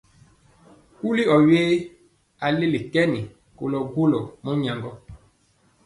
Kuli ɔ we? A leli kɛn kolɔ golɔ mɔnyaŋgɔ.